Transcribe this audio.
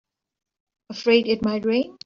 Afraid it might rain?